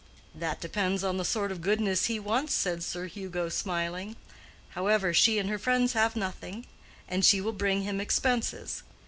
"That depends on the sort of goodness he wants," said Sir Hugo, smiling. "However, she and her friends have nothing, and she will bring him expenses.